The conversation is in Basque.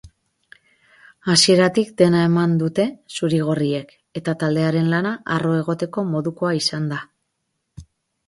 Hasieratik dena eman dute zuri-gorriek eta taldearen lana harro egoteko modukoa izan da.